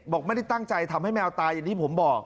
ไม่ได้ตั้งใจทำให้แมวตายอย่างที่ผมบอก